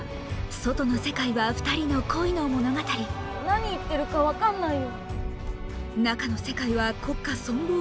外の世界は２人の恋の物語何言ってるか分かんないよ。